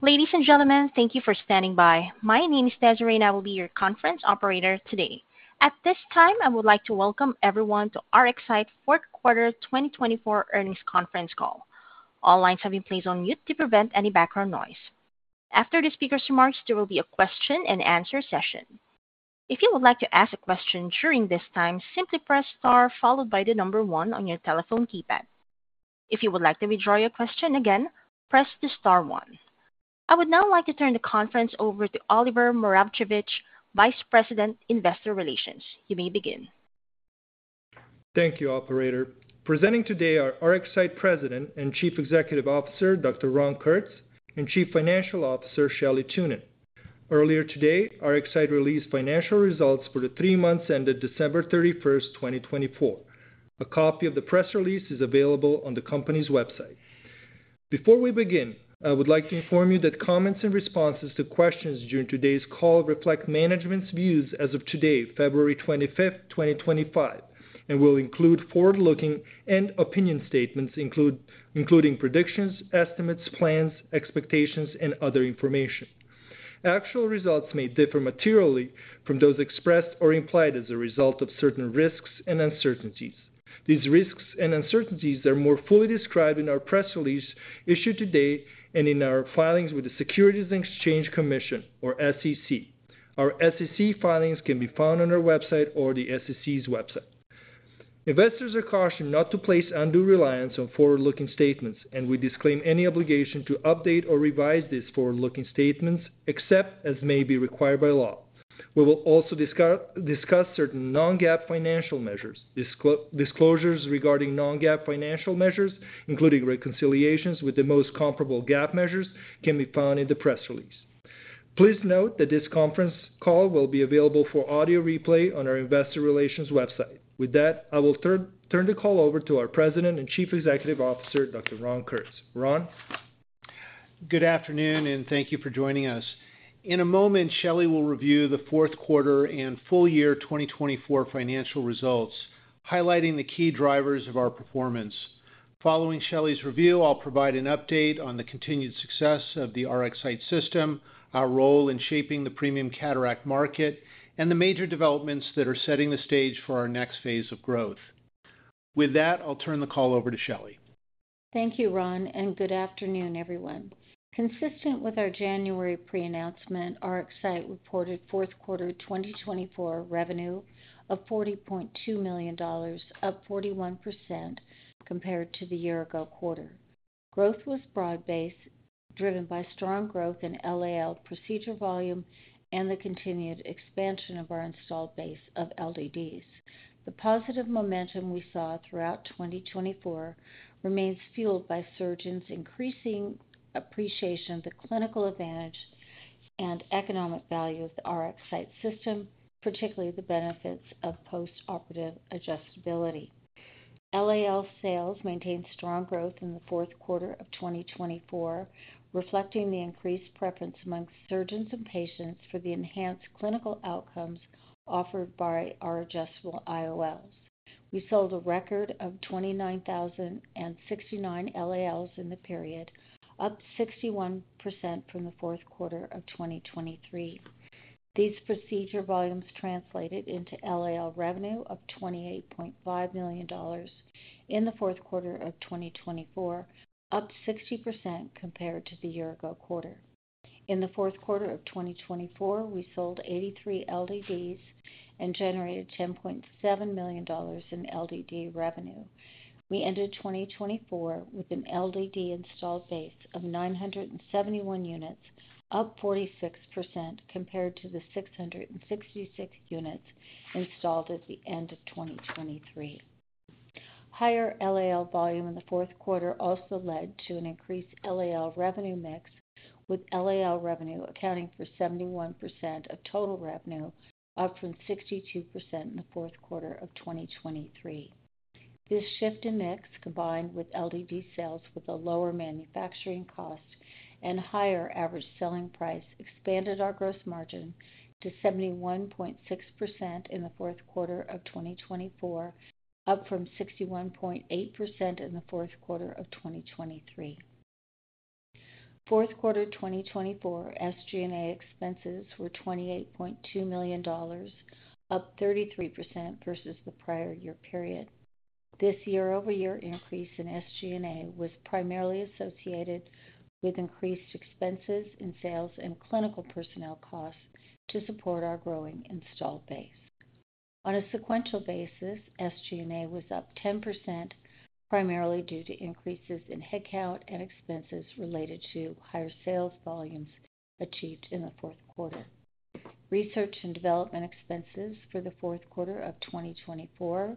Ladies and gentlemen, thank you for standing by. My name is Desiree, and I will be your conference operator today. At this time, I would like to welcome everyone to RxSight Fourth Quarter 2024 Earnings Conference Call. All lines have been placed on mute to prevent any background noise. After the speaker's remarks, there will be a question-and-answer session. If you would like to ask a question during this time, simply press Star followed by the number one on your telephone keypad. If you would like to withdraw your question again, press the Star one. I would now like to turn the conference over to Oliver Moravcevic, Vice President, Investor Relations. You may begin. Thank you, Operator. Presenting today are RxSight President and Chief Executive Officer Dr. Ron Kurtz and Chief Financial Officer Shelley Thunen. Earlier today, RxSight released financial results for the three months ended December 31, 2024. A copy of the press release is available on the company's website. Before we begin, I would like to inform you that comments and responses to questions during today's call reflect management's views as of today, February 25, 2025, and will include forward-looking and opinion statements including predictions, estimates, plans, expectations, and other information. Actual results may differ materially from those expressed or implied as a result of certain risks and uncertainties. These risks and uncertainties are more fully described in our press release issued today and in our filings with the Securities and Exchange Commission, or SEC. Our SEC filings can be found on our website or the SEC's website. Investors are cautioned not to place undue reliance on forward-looking statements, and we disclaim any obligation to update or revise these forward-looking statements except as may be required by law. We will also discuss certain non-GAAP financial measures. Disclosures regarding non-GAAP financial measures, including reconciliations with the most comparable GAAP measures, can be found in the press release. Please note that this conference call will be available for audio replay on our Investor Relations website. With that, I will turn the call over to our President and Chief Executive Officer, Dr. Ron Kurtz. Ron? Good afternoon, and thank you for joining us. In a moment, Shelley will review the fourth quarter and full year 2024 financial results, highlighting the key drivers of our performance. Following Shelley's review, I'll provide an update on the continued success of the RxSight system, our role in shaping the premium cataract market, and the major developments that are setting the stage for our next phase of growth. With that, I'll turn the call over to Shelley. Thank you, Ron, and good afternoon, everyone. Consistent with our January pre-announcement, RxSight reported fourth quarter 2024 revenue of $40.2 million, up 41% compared to the year-ago quarter. Growth was broad-based, driven by strong growth in LAL procedure volume and the continued expansion of our installed base of LDDs. The positive momentum we saw throughout 2024 remains fueled by surgeons' increasing appreciation of the clinical advantage and economic value of the RxSight system, particularly the benefits of post-operative adjustability. LAL sales maintained strong growth in the fourth quarter of 2024, reflecting the increased preference amongst surgeons and patients for the enhanced clinical outcomes offered by our adjustable IOLs. We sold a record of 29,069 LALs in the period, up 61% from the fourth quarter of 2023. These procedure volumes translated into LAL revenue of $28.5 million in the fourth quarter of 2024, up 60% compared to the year-ago quarter. In the fourth quarter of 2024, we sold 83 LDDs and generated $10.7 million in LDD revenue. We ended 2024 with an LDD installed base of 971 units, up 46% compared to the 666 units installed at the end of 2023. Higher LAL volume in the fourth quarter also led to an increased LAL revenue mix, with LAL revenue accounting for 71% of total revenue, up from 62% in the fourth quarter of 2023. This shift in mix, combined with LDD sales with a lower manufacturing cost and higher average selling price, expanded our gross margin to 71.6% in the fourth quarter of 2024, up from 61.8% in the fourth quarter of 2023. Fourth quarter 2024 SG&A expenses were $28.2 million, up 33% versus the prior year period. This year-over-year increase in SG&A was primarily associated with increased expenses in sales and clinical personnel costs to support our growing installed base. On a sequential basis, SG&A was up 10%, primarily due to increases in headcount and expenses related to higher sales volumes achieved in the fourth quarter. Research and development expenses for the fourth quarter of 2024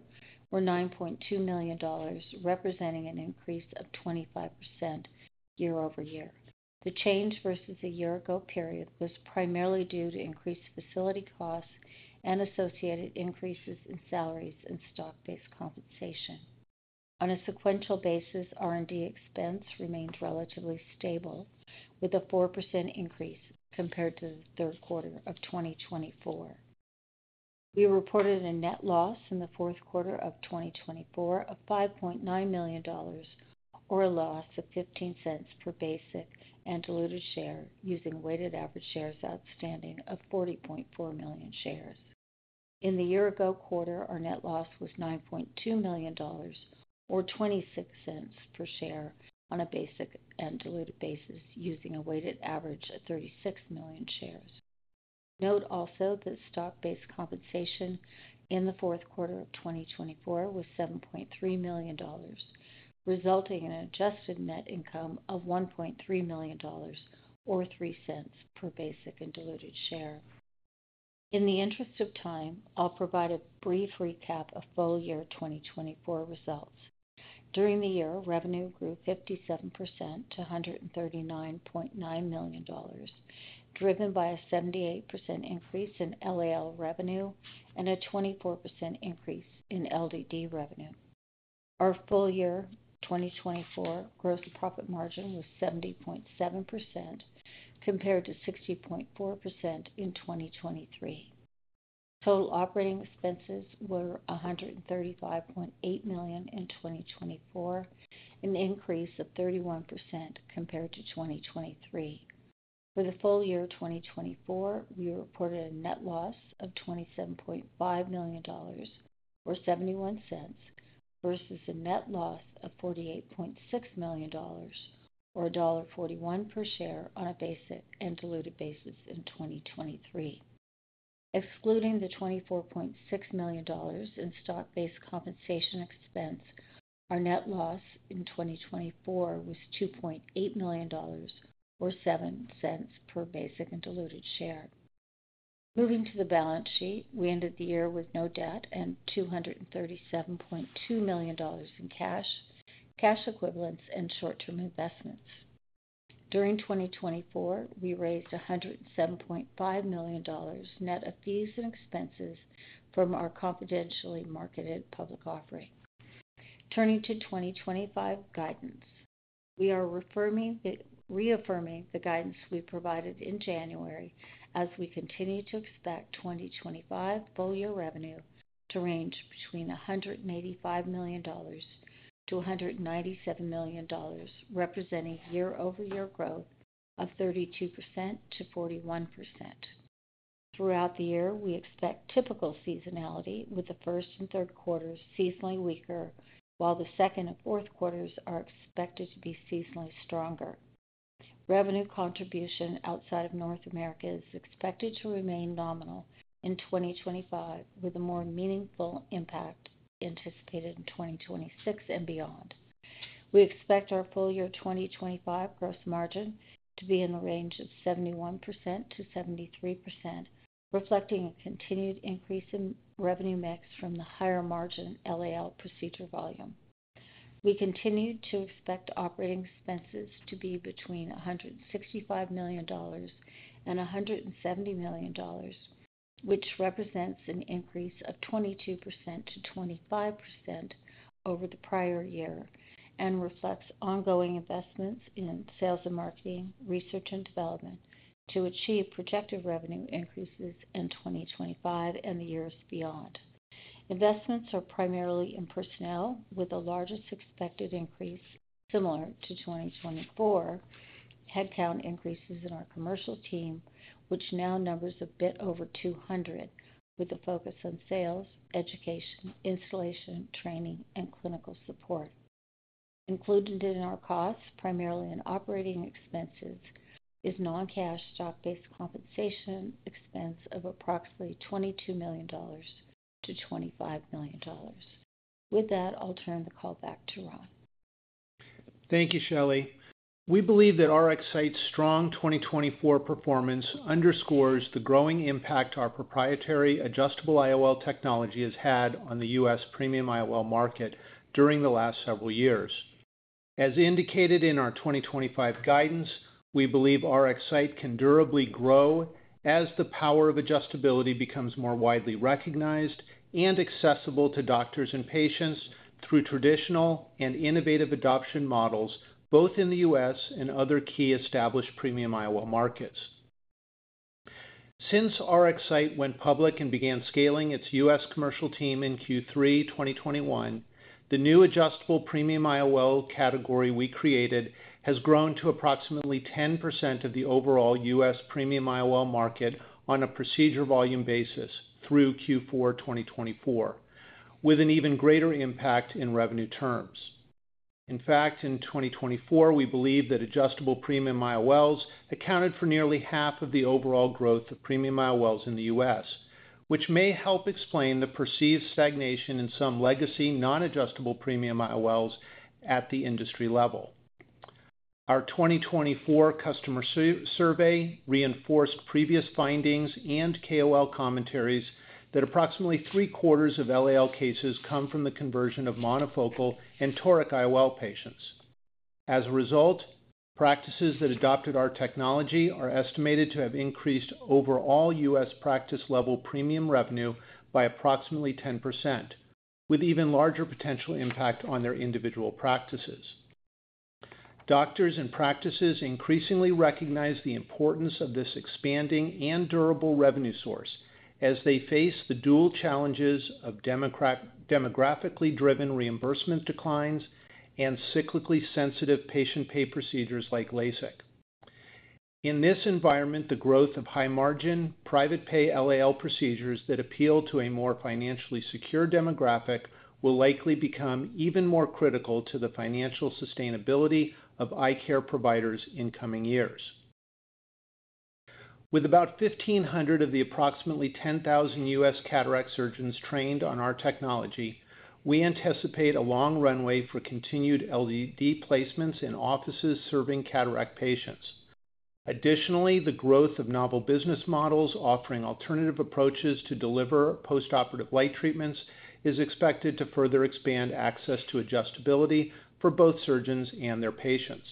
were $9.2 million, representing an increase of 25% year-over-year. The change versus the year-ago period was primarily due to increased facility costs and associated increases in salaries and stock-based compensation. On a sequential basis, R&D expense remained relatively stable, with a 4% increase compared to the third quarter of 2024. We reported a net loss in the fourth quarter of 2024 of $5.9 million, or a loss of $0.15 per basic and diluted share using weighted average shares outstanding of 40.4 million shares. In the year-ago quarter, our net loss was $9.2 million, or $0.26 per share on a basic and diluted basis using a weighted average of 36 million shares. Note also that stock-based compensation in the fourth quarter of 2024 was $7.3 million, resulting in an adjusted net income of $1.3 million, or $0.03 per basic and diluted share. In the interest of time, I'll provide a brief recap of full year 2024 results. During the year, revenue grew 57% to $139.9 million, driven by a 78% increase in LAL revenue and a 24% increase in LDD revenue. Our full year 2024 gross profit margin was 70.7% compared to 60.4% in 2023. Total operating expenses were $135.8 million in 2024, an increase of 31% compared to 2023. For the full year 2024, we reported a net loss of $27.5 million, or $0.71, versus a net loss of $48.6 million, or $1.41 per share on a basic and diluted basis in 2023. Excluding the $24.6 million in stock-based compensation expense, our net loss in 2024 was $2.8 million, or $0.07 per basic and diluted share. Moving to the balance sheet, we ended the year with no debt and $237.2 million in cash, cash equivalents, and short-term investments. During 2024, we raised $107.5 million net of fees and expenses from our confidentially marketed public offering. Turning to 2025 guidance, we are reaffirming the guidance we provided in January as we continue to expect 2025 full year revenue to range between $185-$197 million, representing year-over-year growth of 32%-41%. Throughout the year, we expect typical seasonality, with the first and third quarters seasonally weaker, while the second and fourth quarters are expected to be seasonally stronger. Revenue contribution outside of North America is expected to remain nominal in 2025, with a more meaningful impact anticipated in 2026 and beyond. We expect our full year 2025 gross margin to be in the range of 71%-73%, reflecting a continued increase in revenue mix from the higher margin LAL procedure volume. We continue to expect operating expenses to be between $165 million and $170 million, which represents an increase of 22%-25% over the prior year and reflects ongoing investments in sales and marketing, research, and development to achieve projected revenue increases in 2025 and the years beyond. Investments are primarily in personnel, with the largest expected increase, similar to 2024, headcount increases in our commercial team, which now numbers a bit over 200, with a focus on sales, education, installation, training, and clinical support. Included in our costs, primarily in operating expenses, is non-cash stock-based compensation expense of approximately $22 million-$25 million. With that, I'll turn the call back to Ron. Thank you, Shelley. We believe that RxSight's strong 2024 performance underscores the growing impact our proprietary adjustable IOL technology has had on the U.S. premium IOL market during the last several years. As indicated in our 2025 guidance, we believe RxSight can durably grow as the power of adjustability becomes more widely recognized and accessible to doctors and patients through traditional and innovative adoption models, both in the U.S. and other key established premium IOL markets. Since RxSight went public and began scaling its U.S. commercial team in Q3 2021, the new adjustable premium IOL category we created has grown to approximately 10% of the overall U.S. premium IOL market on a procedure volume basis through Q4 2024, with an even greater impact in revenue terms. In fact, in 2024, we believe that adjustable premium IOLs accounted for nearly half of the overall growth of premium IOLs in the U.S., which may help explain the perceived stagnation in some legacy non-adjustable premium IOLs at the industry level. Our 2024 customer survey reinforced previous findings and KOL commentaries that approximately three-quarters of LAL cases come from the conversion of monofocal and toric IOL patients. As a result, practices that adopted our technology are estimated to have increased overall U.S. practice-level premium revenue by approximately 10%, with even larger potential impact on their individual practices. Doctors and practices increasingly recognize the importance of this expanding and durable revenue source as they face the dual challenges of demographically driven reimbursement declines and cyclically sensitive patient pay procedures like LASIK. In this environment, the growth of high-margin, private-pay LAL procedures that appeal to a more financially secure demographic will likely become even more critical to the financial sustainability of eye care providers in coming years. With about 1,500 of the approximately 10,000 U.S. cataract surgeons trained on our technology, we anticipate a long runway for continued LDD placements in offices serving cataract patients. Additionally, the growth of novel business models offering alternative approaches to deliver post-operative light treatments is expected to further expand access to adjustability for both surgeons and their patients.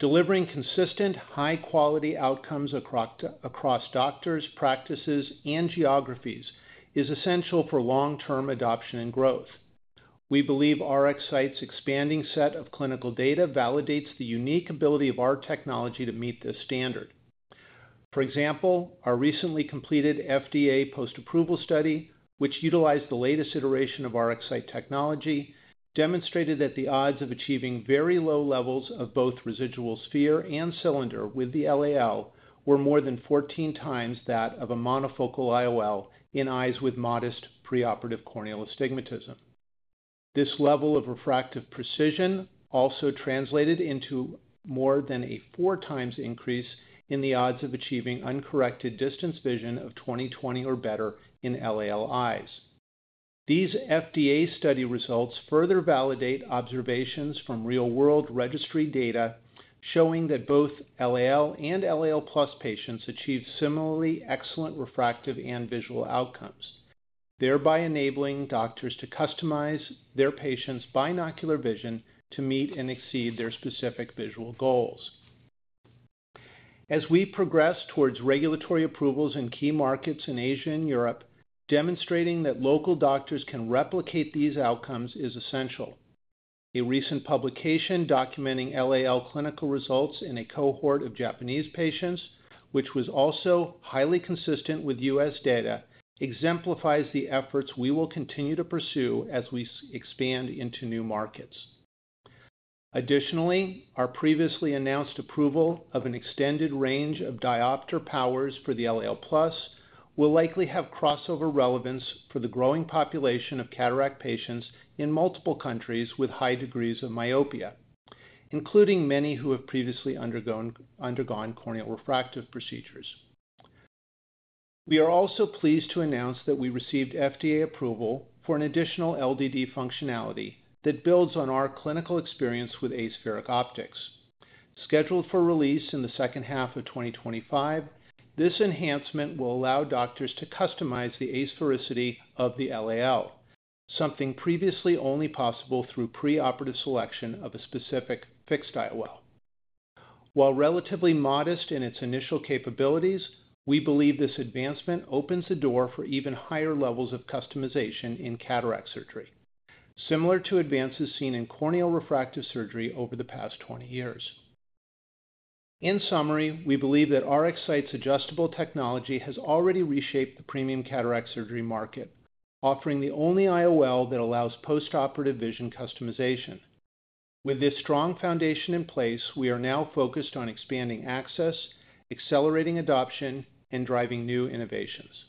Delivering consistent, high-quality outcomes across doctors, practices, and geographies is essential for long-term adoption and growth. We believe RxSight's expanding set of clinical data validates the unique ability of our technology to meet this standard. For example, our recently completed FDA post-approval study, which utilized the latest iteration of RxSight technology, demonstrated that the odds of achieving very low levels of both residual sphere and cylinder with the LAL were more than 14 times that of a monofocal IOL in eyes with modest preoperative corneal astigmatism. This level of refractive precision also translated into more than a four-times increase in the odds of achieving uncorrected distance vision of 20/20 or better in LAL eyes. These FDA study results further validate observations from real-world registry data showing that both LAL and LAL Plus patients achieve similarly excellent refractive and visual outcomes, thereby enabling doctors to customize their patients' binocular vision to meet and exceed their specific visual goals. As we progress towards regulatory approvals in key markets in Asia and Europe, demonstrating that local doctors can replicate these outcomes is essential. A recent publication documenting LAL clinical results in a cohort of Japanese patients, which was also highly consistent with U.S. data, exemplifies the efforts we will continue to pursue as we expand into new markets. Additionally, our previously announced approval of an extended range of diopter powers for the LAL Plus will likely have crossover relevance for the growing population of cataract patients in multiple countries with high degrees of myopia, including many who have previously undergone corneal refractive procedures. We are also pleased to announce that we received FDA approval for an additional LDD functionality that builds on our clinical experience with aspheric optics. Scheduled for release in the second half of 2025, this enhancement will allow doctors to customize the asphericity of the LAL, something previously only possible through preoperative selection of a specific fixed IOL. While relatively modest in its initial capabilities, we believe this advancement opens the door for even higher levels of customization in cataract surgery, similar to advances seen in corneal refractive surgery over the past 20 years. In summary, we believe that RxSight's adjustable technology has already reshaped the premium cataract surgery market, offering the only IOL that allows post-operative vision customization. With this strong foundation in place, we are now focused on expanding access, accelerating adoption, and driving new innovations.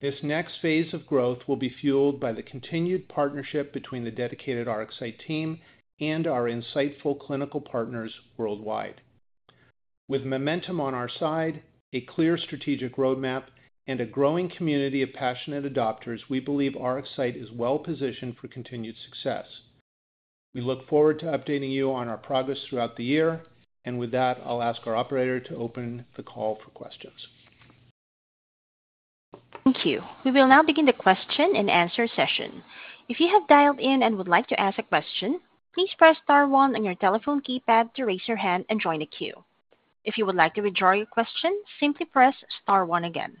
This next phase of growth will be fueled by the continued partnership between the dedicated RxSight team and our insightful clinical partners worldwide. With momentum on our side, a clear strategic roadmap, and a growing community of passionate adopters, we believe RxSight is well-positioned for continued success. We look forward to updating you on our progress throughout the year, and with that, I'll ask our operator to open the call for questions. Thank you. We will now begin the question and answer session. If you have dialed in and would like to ask a question, please press star one on your telephone keypad to raise your hand and join the queue. If you would like to withdraw your question, simply press star one again.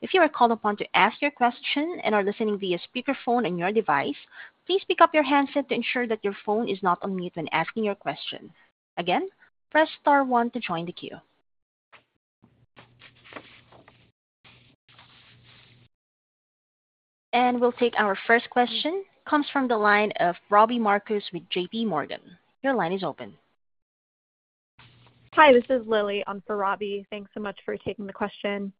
If you are called upon to ask your question and are listening via speakerphone on your device, please pick up your handset to ensure that your phone is not on mute when asking your question. Again, press star one to join the queue, and we'll take our first question. It comes from the line of Robbie Marcus with JP Morgan. Your line is open. Hi, this is Lily. I'm for Robbie. Thanks so much for taking the question.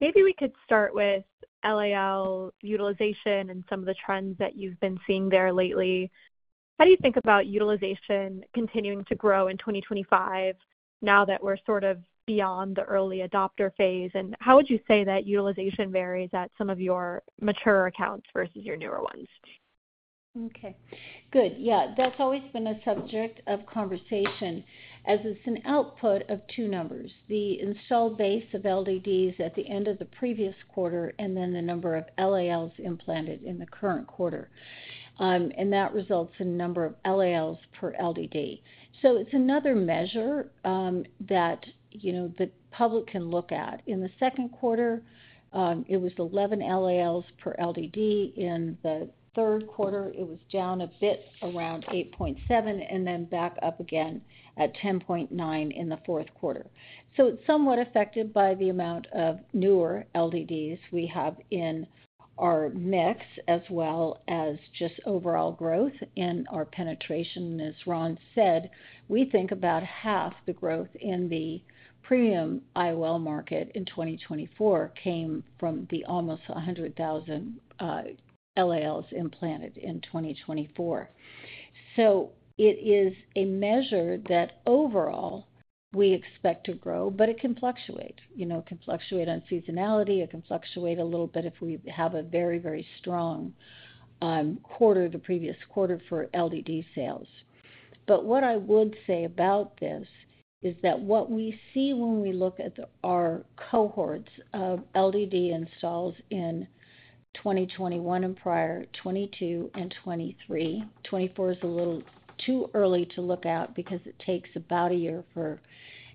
Maybe we could start with LAL utilization and some of the trends that you've been seeing there lately. How do you think about utilization continuing to grow in 2025 now that we're sort of beyond the early adopter phase? And how would you say that utilization varies at some of your mature accounts versus your newer ones? Okay. Good. Yeah, that's always been a subject of conversation as it's an output of two numbers: the installed base of LDDs at the end of the previous quarter and then the number of LALs implanted in the current quarter. And that results in a number of LALs per LDD. So it's another measure that the public can look at. In the second quarter, it was 11 LALs per LDD. In the third quarter, it was down a bit around 8.7 and then back up again at 10.9 in the fourth quarter. So it's somewhat affected by the amount of newer LDDs we have in our mix as well as just overall growth and our penetration, as Ron said, we think about half the growth in the premium IOL market in 2024 came from the almost 100,000 LALs implanted in 2024. So it is a measure that overall we expect to grow, but it can fluctuate. It can fluctuate on seasonality. It can fluctuate a little bit if we have a very, very strong quarter, the previous quarter for LDD sales. But what I would say about this is that what we see when we look at our cohorts of LDD installs in 2021 and prior, 2022 and 2023, 2024 is a little too early to look at because it takes about a year for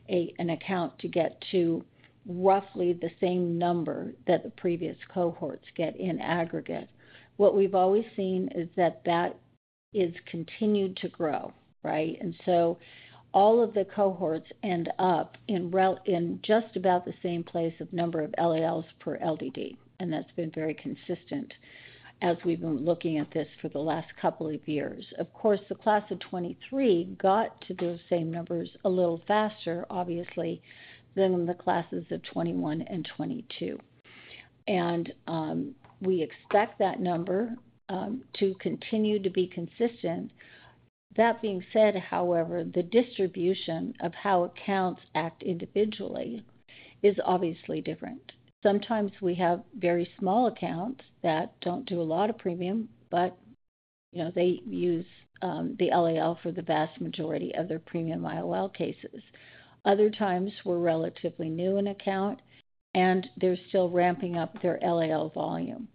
an account to get to roughly the same number that the previous cohorts get in aggregate. What we've always seen is that that is continued to grow, right? And so all of the cohorts end up in just about the same place of number of LALs per LDD. And that's been very consistent as we've been looking at this for the last couple of years. Of course, the class of 2023 got to those same numbers a little faster, obviously, than the classes of 2021 and 2022, and we expect that number to continue to be consistent. That being said, however, the distribution of how accounts act individually is obviously different. Sometimes we have very small accounts that don't do a lot of premium, but they use the LAL for the vast majority of their premium IOL cases. Other times, we're relatively new in an account, and they're still ramping up their LAL volume,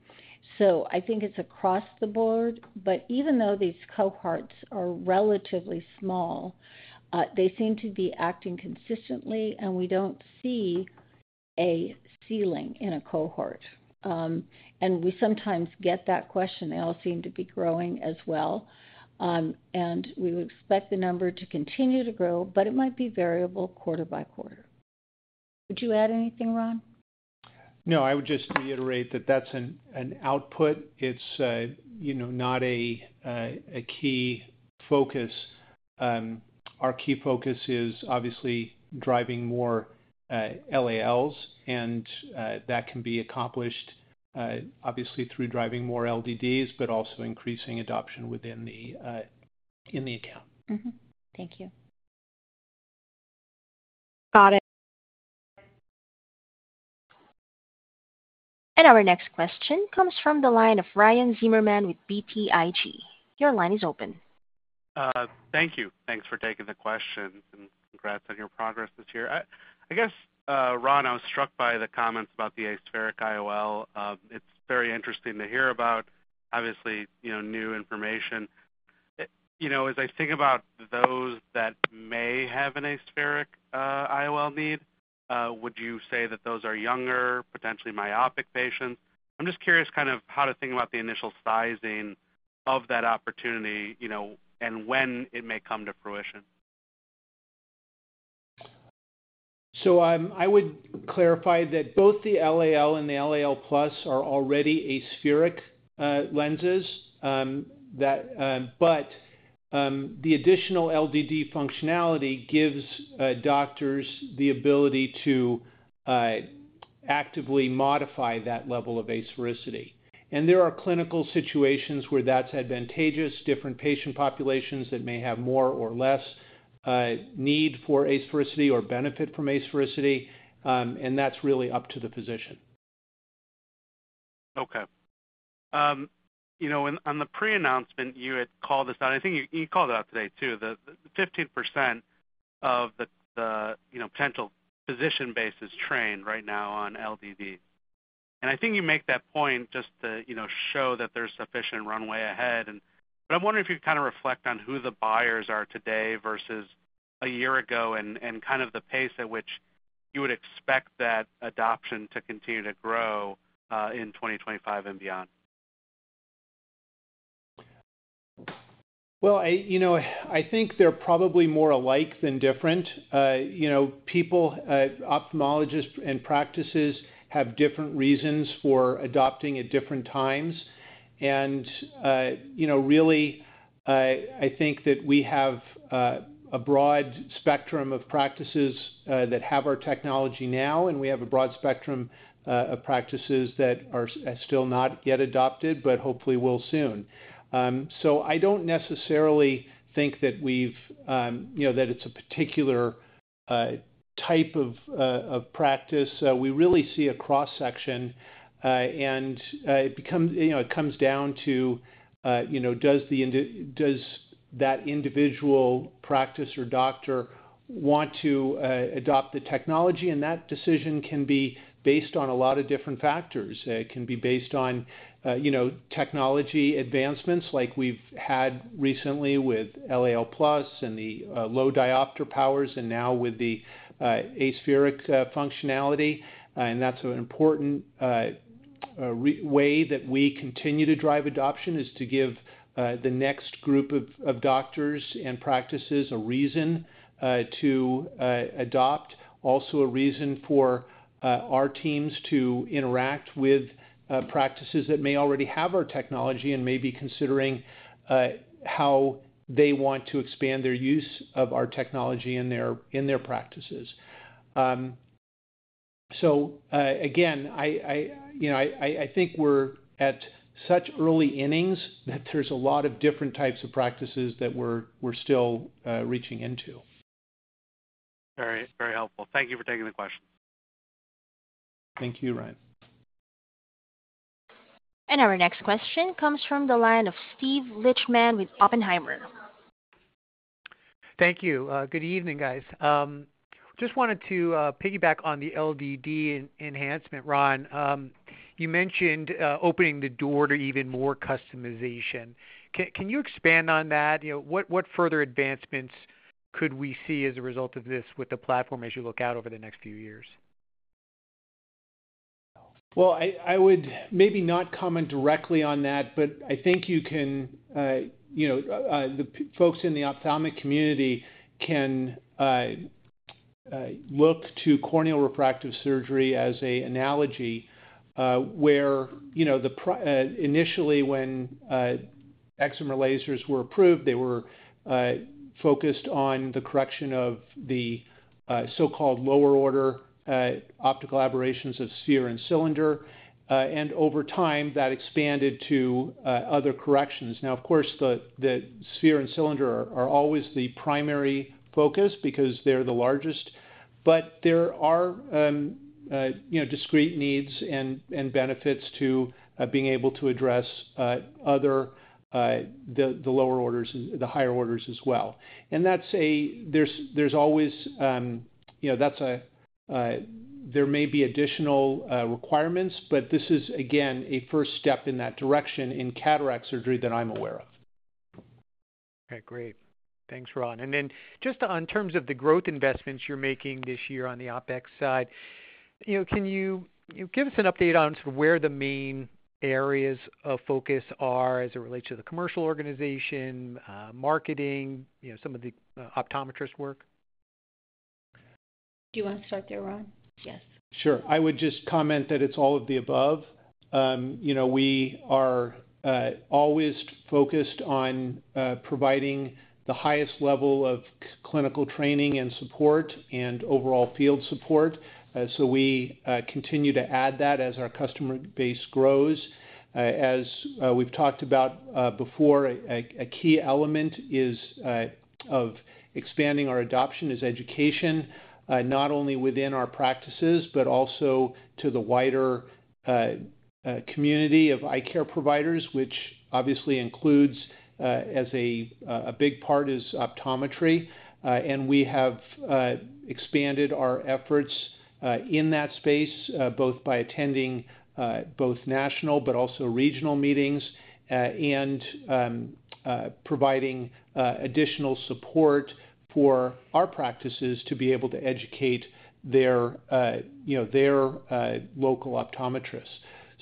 so I think it's across the board, but even though these cohorts are relatively small, they seem to be acting consistently, and we don't see a ceiling in a cohort, and we sometimes get that question. They all seem to be growing as well, and we would expect the number to continue to grow, but it might be variable quarter by quarter. Would you add anything, Ron? No, I would just reiterate that that's an output. It's not a key focus. Our key focus is obviously driving more LALs, and that can be accomplished obviously through driving more LDDs, but also increasing adoption within the account. Thank you. Got it. Our next question comes from the line of Ryan Zimmerman with BTIG. Your line is open. Thank you. Thanks for taking the question and congrats on your progress this year. I guess, Ron, I was struck by the comments about the aspheric IOL. It's very interesting to hear about, obviously, new information. As I think about those that may have an aspheric IOL need, would you say that those are younger, potentially myopic patients? I'm just curious kind of how to think about the initial sizing of that opportunity and when it may come to fruition. So I would clarify that both the LAL and the LAL Plus are already aspheric lenses, but the additional LDD functionality gives doctors the ability to actively modify that level of asphericity. And there are clinical situations where that's advantageous, different patient populations that may have more or less need for asphericity or benefit from asphericity, and that's really up to the physician. Okay. On the pre-announcement, you had called this out. I think you called it out today too, that 15% of the potential physician base is trained right now on LDD. And I think you make that point just to show that there's sufficient runway ahead. But I'm wondering if you could kind of reflect on who the buyers are today versus a year ago and kind of the pace at which you would expect that adoption to continue to grow in 2025 and beyond. I think they're probably more alike than different. People, ophthalmologists and practices, have different reasons for adopting at different times. Really, I think that we have a broad spectrum of practices that have our technology now, and we have a broad spectrum of practices that are still not yet adopted, but hopefully will soon. I don't necessarily think that it's a particular type of practice. We really see a cross-section, and it comes down to does that individual practice or doctor want to adopt the technology? That decision can be based on a lot of different factors. It can be based on technology advancements like we've had recently with LAL Plus and the low diopter powers and now with the aspheric functionality. And that's an important way that we continue to drive adoption is to give the next group of doctors and practices a reason to adopt, also a reason for our teams to interact with practices that may already have our technology and may be considering how they want to expand their use of our technology in their practices. So again, I think we're at such early innings that there's a lot of different types of practices that we're still reaching into. Very helpful. Thank you for taking the question. Thank you, Ryan. Our next question comes from the line of Steve Lichtman with Oppenheimer. Thank you. Good evening, guys. Just wanted to piggyback on the LDD enhancement, Ron. You mentioned opening the door to even more customization. Can you expand on that? What further advancements could we see as a result of this with the platform as you look out over the next few years? I would maybe not comment directly on that, but I think the folks in the ophthalmic community can look to corneal refractive surgery as an analogy where initially, when excimer lasers were approved, they were focused on the correction of the so-called lower order optical aberrations of sphere and cylinder, and over time, that expanded to other corrections. Now, of course, the sphere and cylinder are always the primary focus because they're the largest, but there are discrete needs and benefits to being able to address the lower orders, the higher orders as well, and there's always. There may be additional requirements, but this is, again, a first step in that direction in cataract surgery that I'm aware of. Okay. Great. Thanks, Ron. And then just in terms of the growth investments you're making this year on the OpEx side, can you give us an update on sort of where the main areas of focus are as it relates to the commercial organization, marketing, some of the optometrist work? Do you want to start there, Ron? Yes. Sure. I would just comment that it's all of the above. We are always focused on providing the highest level of clinical training and support and overall field support. So we continue to add that as our customer base grows. As we've talked about before, a key element of expanding our adoption is education, not only within our practices, but also to the wider community of eye care providers, which obviously includes as a big part is optometry. And we have expanded our efforts in that space, both by attending both national but also regional meetings and providing additional support for our practices to be able to educate their local optometrists.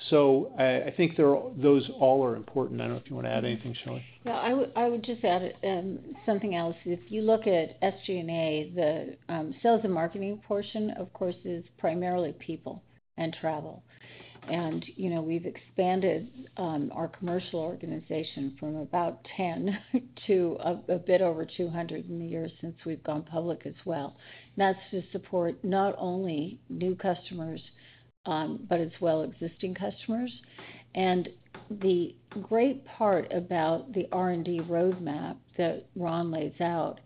So I think those all are important. I don't know if you want to add anything, Shelley. Yeah. I would just add something else. If you look at SG&A, the sales and marketing portion, of course, is primarily people and travel. And we've expanded our commercial organization from about 10 to a bit over 200 in the years since we've gone public as well. And that's to support not only new customers, but as well existing customers. And the great part about the R&D roadmap that Ron lays out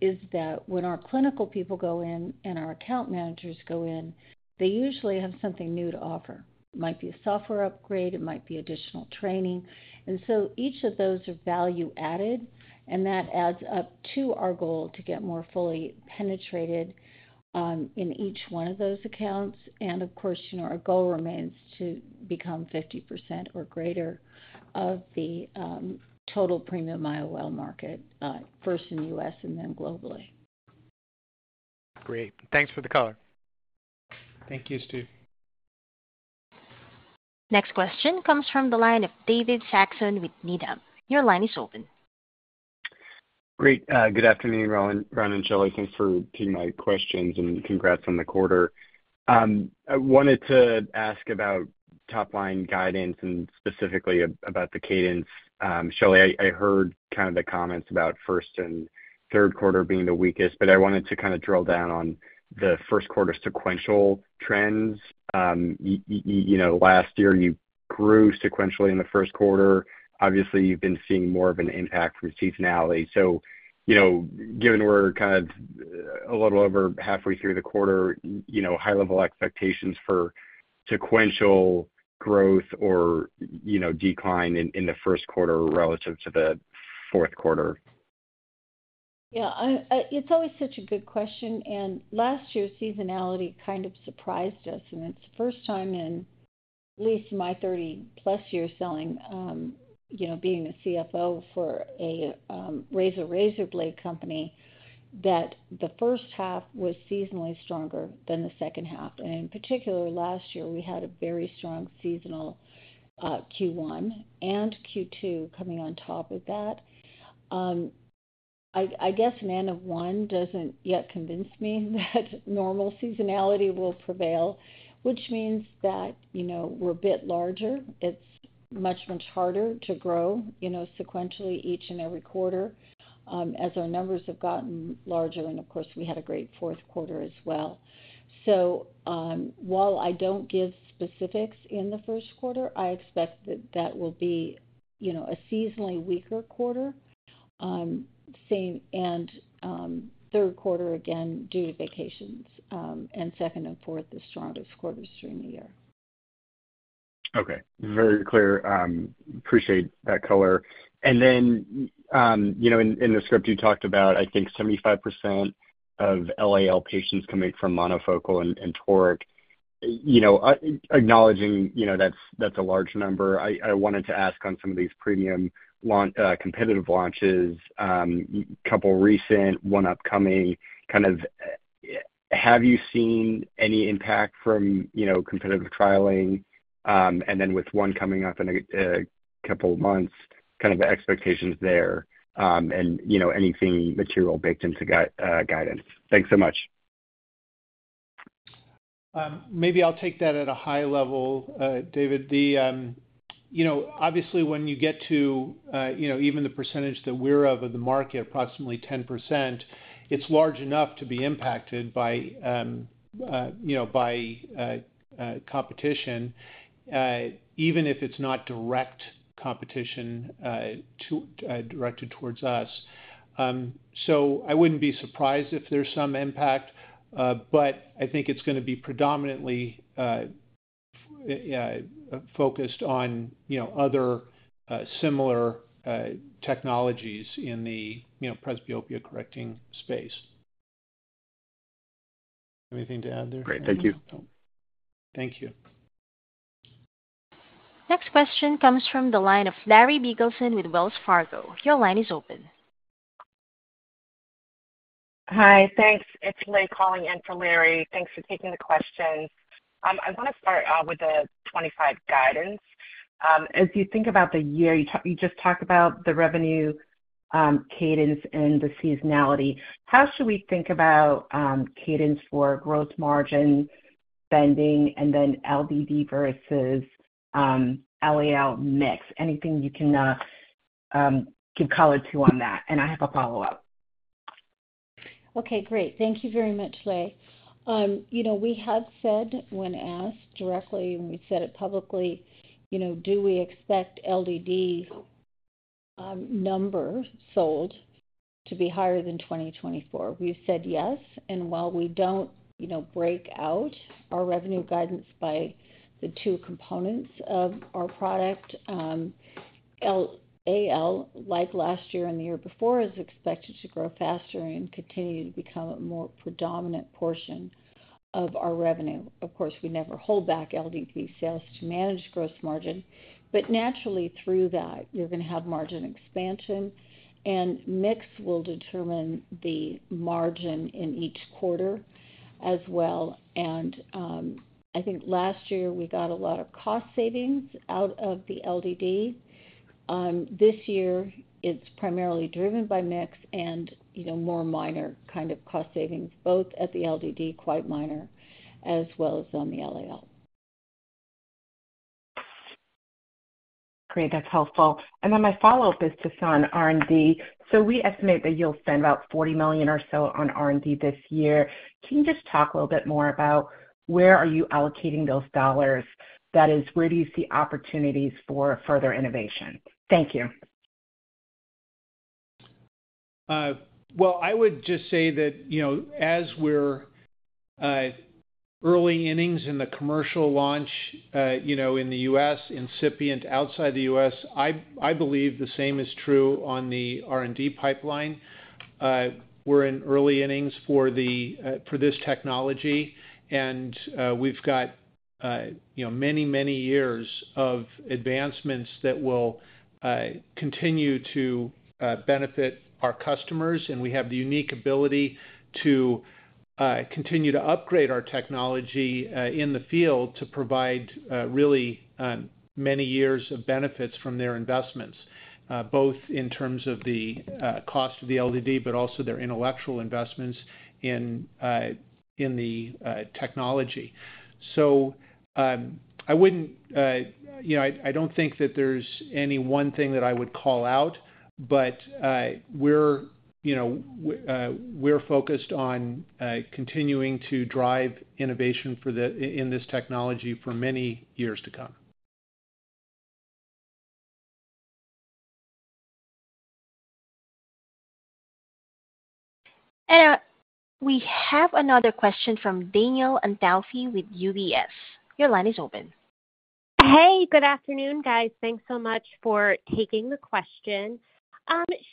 is that when our clinical people go in and our account managers go in, they usually have something new to offer. It might be a software upgrade. It might be additional training. And so each of those are value-added, and that adds up to our goal to get more fully penetrated in each one of those accounts. Of course, our goal remains to become 50% or greater of the total premium IOL market, first in the U.S. and then globally. Great. Thanks for the color. Thank you, Steve. Next question comes from the line of David Saxon with Needham. Your line is open. Great. Good afternoon, Ron and Shelley. Thanks for taking my questions and congrats on the quarter. I wanted to ask about top-line guidance and specifically about the cadence. Shelley, I heard kind of the comments about first and third quarter being the weakest, but I wanted to kind of drill down on the first quarter sequential trends. Last year, you grew sequentially in the first quarter. Obviously, you've been seeing more of an impact from seasonality. So given we're kind of a little over halfway through the quarter, high-level expectations for sequential growth or decline in the first quarter relative to the fourth quarter? Yeah. It's always such a good question. And last year, seasonality kind of surprised us. And it's the first time in at least my 30-plus years selling, being a CFO for a razor blade company, that the first half was seasonally stronger than the second half. And in particular, last year, we had a very strong seasonal Q1 and Q2 coming on top of that. I guess an end of one doesn't yet convince me that normal seasonality will prevail, which means that we're a bit larger. It's much, much harder to grow sequentially each and every quarter as our numbers have gotten larger. And of course, we had a great fourth quarter as well. So while I don't give specifics in the first quarter, I expect that that will be a seasonally weaker quarter, and third quarter, again, due to vacations. And second and fourth, the strongest quarters during the year. Okay. Very clear. Appreciate that color. And then in the script, you talked about, I think, 75% of LAL patients coming from monofocal and toric. Acknowledging that's a large number, I wanted to ask on some of these premium competitive launches, a couple recent, one upcoming. Kind of have you seen any impact from competitive trialing? And then with one coming up in a couple of months, kind of expectations there and anything material baked into guidance? Thanks so much. Maybe I'll take that at a high level, David. Obviously, when you get to even the percentage that we're of in the market, approximately 10%, it's large enough to be impacted by competition, even if it's not direct competition directed towards us. So I wouldn't be surprised if there's some impact, but I think it's going to be predominantly focused on other similar technologies in the presbyopia-correcting space. Anything to add there? Great. Thank you. Thank you. Next question comes from the line of Larry Biegelsen with Wells Fargo. Your line is open. Hi. Thanks. It's Leigh calling in for Larry. Thanks for taking the question. I want to start with the 25 guidance. As you think about the year, you just talked about the revenue cadence and the seasonality. How should we think about cadence for gross margin spending and then LDD versus LAL mix? Anything you can give color to on that? And I have a follow-up. Okay. Great. Thank you very much, Leigh. We have said when asked directly, and we said it publicly, do we expect LDD number sold to be higher than 2024? We've said yes. And while we don't break out our revenue guidance by the two components of our product, LAL, like last year and the year before, is expected to grow faster and continue to become a more predominant portion of our revenue. Of course, we never hold back LDD sales to manage gross margin, but naturally, through that, you're going to have margin expansion, and mix will determine the margin in each quarter as well. And I think last year, we got a lot of cost savings out of the LDD. This year, it's primarily driven by mix and more minor kind of cost savings, both at the LDD, quite minor, as well as on the LAL. Great. That's helpful. And then my follow-up is just on R&D. So we estimate that you'll spend about $40 million or so on R&D this year. Can you just talk a little bit more about where are you allocating those dollars? That is, where do you see opportunities for further innovation? Thank you. I would just say that as we're early innings in the commercial launch in the U.S., incipient outside the U.S., I believe the same is true on the R&D pipeline. We're in early innings for this technology, and we've got many, many years of advancements that will continue to benefit our customers. We have the unique ability to continue to upgrade our technology in the field to provide really many years of benefits from their investments, both in terms of the cost of the LDD, but also their intellectual investments in the technology. I don't think that there's any one thing that I would call out, but we're focused on continuing to drive innovation in this technology for many years to come. And we have another question from Danielle Antalffy with UBS. Your line is open. Hey, good afternoon, guys. Thanks so much for taking the question.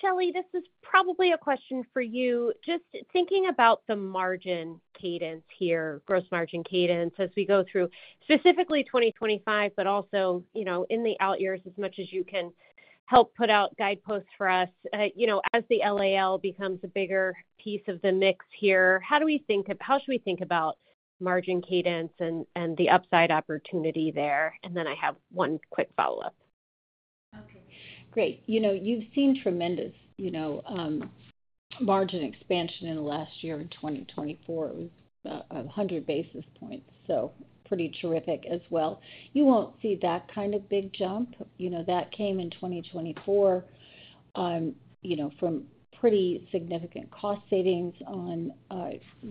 Shelley, this is probably a question for you. Just thinking about the margin cadence here, gross margin cadence, as we go through specifically 2025, but also in the out years as much as you can help put out guideposts for us. As the LAL becomes a bigger piece of the mix here, how do we think how should we think about margin cadence and the upside opportunity there? And then I have one quick follow-up. Okay. Great. You've seen tremendous margin expansion in the last year in 2024. It was 100 basis points, so pretty terrific as well. You won't see that kind of big jump. That came in 2024 from pretty significant cost savings on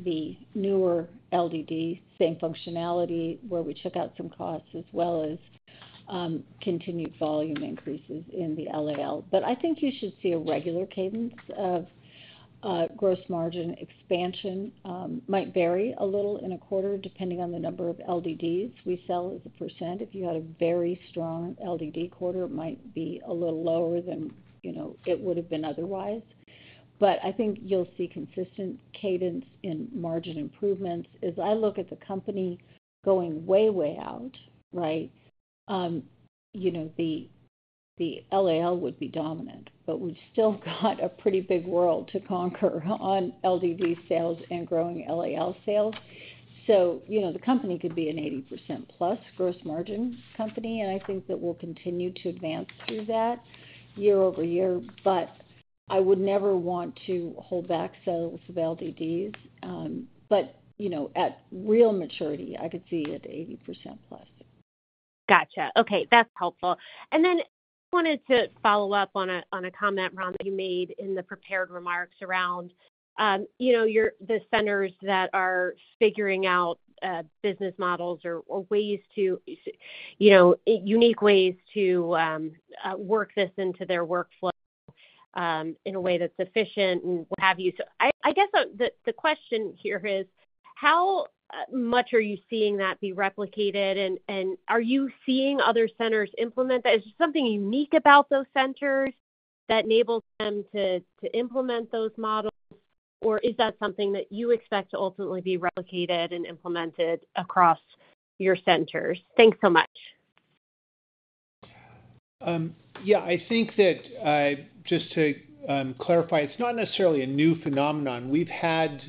the newer LDD, same functionality where we took out some costs as well as continued volume increases in the LAL. But I think you should see a regular cadence of gross margin expansion. It might vary a little in a quarter depending on the number of LDDs we sell as a percent. If you had a very strong LDD quarter, it might be a little lower than it would have been otherwise. But I think you'll see consistent cadence in margin improvements. As I look at the company going way, way out, right, the LAL would be dominant, but we've still got a pretty big world to conquer on LDD sales and growing LAL sales. So the company could be an 80% plus gross margin company, and I think that we'll continue to advance through that year over year. But I would never want to hold back sales of LDDs. But at real maturity, I could see it at 80% plus. Gotcha. Okay. That's helpful. And then I wanted to follow up on a comment, Ron, that you made in the prepared remarks around the centers that are figuring out business models or unique ways to work this into their workflow in a way that's efficient and what have you. So I guess the question here is, how much are you seeing that be replicated? And are you seeing other centers implement that? Is there something unique about those centers that enables them to implement those models, or is that something that you expect to ultimately be replicated and implemented across your centers? Thanks so much. Yeah. I think that just to clarify, it's not necessarily a new phenomenon. We've had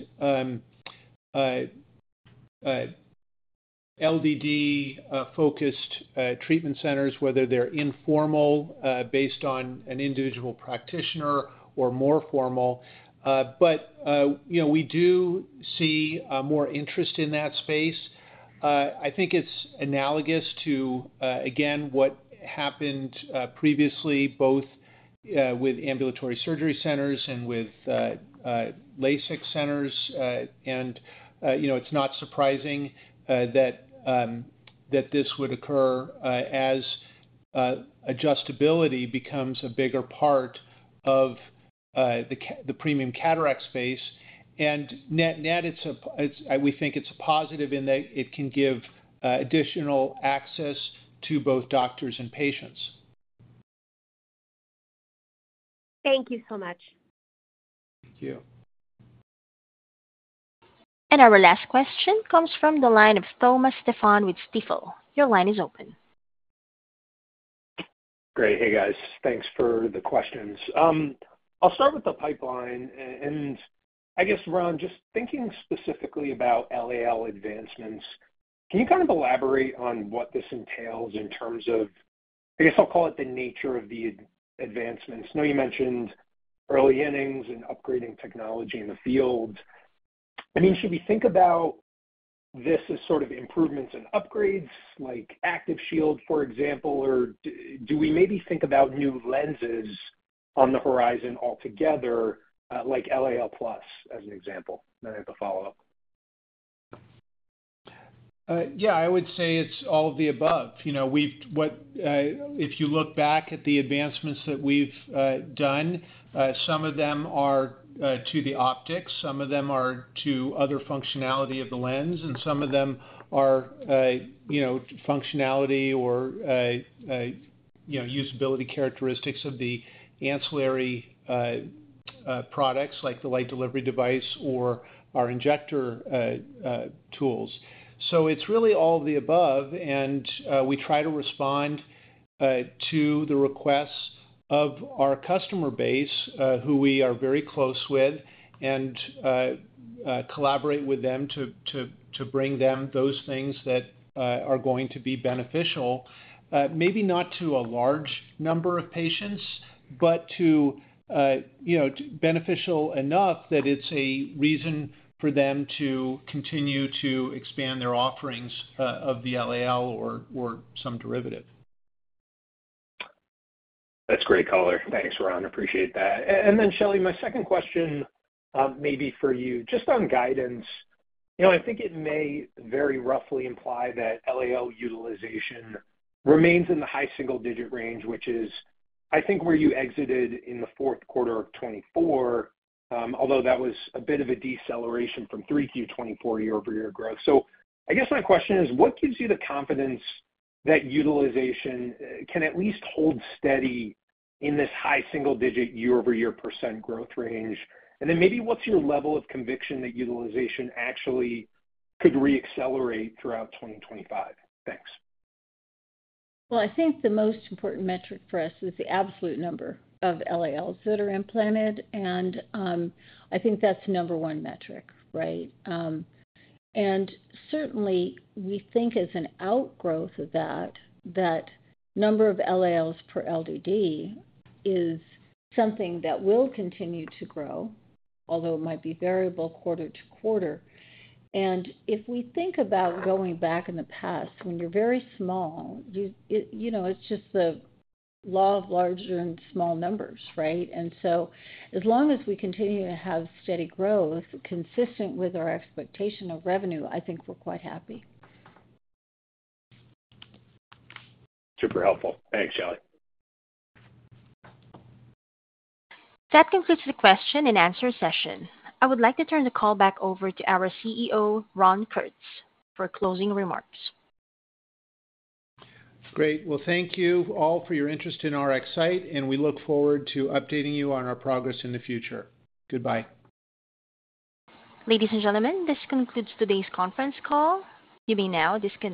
LDD-focused treatment centers, whether they're informal based on an individual practitioner or more formal. But we do see more interest in that space. I think it's analogous to, again, what happened previously, both with ambulatory surgery centers and with LASIK centers. And it's not surprising that this would occur as adjustability becomes a bigger part of the premium cataract space. And net, we think it's a positive in that it can give additional access to both doctors and patients. Thank you so much. Thank you. Our last question comes from the line of Thomas Stephan with Stifel. Your line is open. Great. Hey, guys. Thanks for the questions. I'll start with the pipeline. And I guess, Ron, just thinking specifically about LAL advancements, can you kind of elaborate on what this entails in terms of, I guess I'll call it the nature of the advancements? I know you mentioned early innings and upgrading technology in the field. I mean, should we think about this as sort of improvements and upgrades like ActiveShield, for example, or do we maybe think about new lenses on the horizon altogether, like LAL Plus as an example? Then I have a follow-up. Yeah. I would say it's all of the above. If you look back at the advancements that we've done, some of them are to the optics, some of them are to other functionality of the lens, and some of them are functionality or usability characteristics of the ancillary products like the light delivery device or our injector tools. So it's really all of the above, and we try to respond to the requests of our customer base, who we are very close with, and collaborate with them to bring them those things that are going to be beneficial. Maybe not to a large number of patients, but to beneficial enough that it's a reason for them to continue to expand their offerings of the LAL or some derivative. That's great color. Thanks, Ron. Appreciate that. And then, Shelley, my second question may be for you. Just on guidance, I think it may very roughly imply that LAL utilization remains in the high single-digit range, which is, I think, where you exited in the fourth quarter of 2024, although that was a bit of a deceleration from 3Q 2024 year-over-year growth. So I guess my question is, what gives you the confidence that utilization can at least hold steady in this high single-digit year-over-year % growth range? And then maybe what's your level of conviction that utilization actually could re-accelerate throughout 2025? Thanks. I think the most important metric for us is the absolute number of LALs that are implanted, and I think that's the number one metric, right, and certainly, we think as an outgrowth of that, that number of LALs per LDD is something that will continue to grow, although it might be variable quarter to quarter, and if we think about going back in the past, when you're very small, it's just the law of larger and small numbers, right, and so as long as we continue to have steady growth consistent with our expectation of revenue, I think we're quite happy. Super helpful. Thanks, Shelley. That concludes the question and answer session. I would like to turn the call back over to our CEO, Ron Kurtz, for closing remarks. Great. Well, thank you all for your interest in RxSight, and we look forward to updating you on our progress in the future. Goodbye. Ladies and gentlemen, this concludes today's conference call. You may now disconnect.